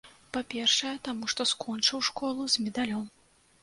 Па-першае, таму, што скончыў школу з медалём.